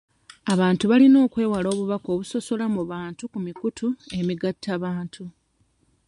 Abantu balina okwewala obubaka obusosola mu bantu ku mikutu emigattabantu.